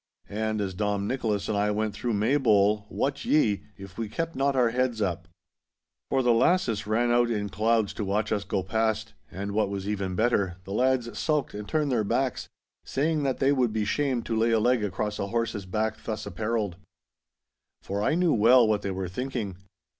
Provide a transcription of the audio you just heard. And as Dom Nicholas and I went through Maybole, wot ye, if we kept not our heads up. For the lasses ran out in clouds to watch us go past, and what was even better, the lads sulked and turned their backs, saying that they would be shamed to lay a leg across a horse's back thus appareled. For I knew well what they were thinking.